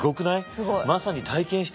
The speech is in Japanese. すごい。